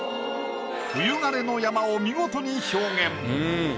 冬枯れの山を見事に表現。